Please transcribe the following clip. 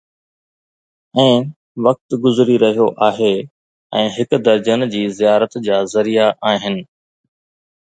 ۽ وقت گذري رهيو آهي ۽ هڪ درجن جي زيارت جا ذريعا آهن